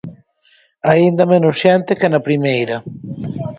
Aínda menos xente que na primeira.